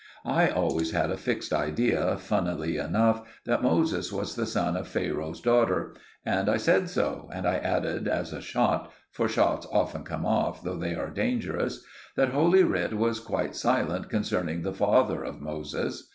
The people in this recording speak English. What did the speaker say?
I always had a fixed idea, funnily enough, that Moses was the son of Pharaoh's daughter; and I said so, and I added, as a shot—for shots often come off, though they are dangerous—that Holy Writ was quite silent concerning the father of Moses.